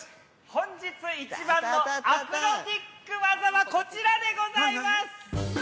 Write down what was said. ◆本日一番のアクロバティック技は、こちらでございます。